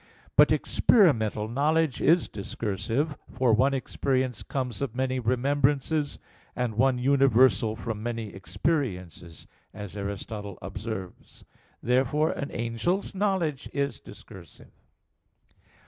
But experimental knowledge is discursive: for, "one experience comes of many remembrances, and one universal from many experiences," as Aristotle observes (Poster. ii; Metaph. vii). Therefore an angel's knowledge is discursive.